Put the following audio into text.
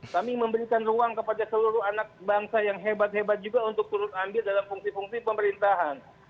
kami memberikan ruang kepada seluruh anak bangsa yang hebat hebat juga untuk turut ambil dalam fungsi fungsi pemerintahan